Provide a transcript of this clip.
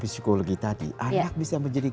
psikologi tadi anak bisa menjadi